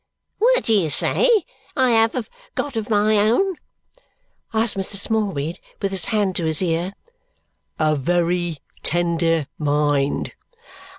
What do you say I have got of my own?" asked Mr. Smallweed with his hand to his ear. "A very tender mind."